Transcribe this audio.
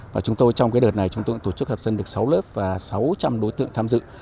và chúng tôi trong cái đợt này chúng tôi tổ chức hợp dân được sáu lớp và sáu trăm linh đối tượng tham dự